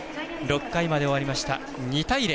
６回まで終わりました、２対０。